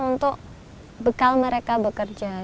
untuk bekal mereka bekerja